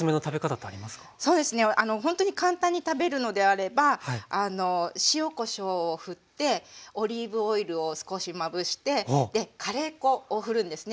ほんとに簡単に食べるのであれば塩こしょうをふってオリーブオイルを少しまぶしてカレー粉をふるんですね。